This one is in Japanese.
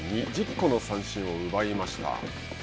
１０個の三振を奪いました。